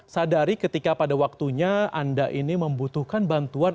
sadari ketika pada waktunya anda ini membutuhkan bantuan